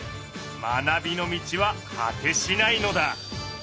学びの道は果てしないのだ。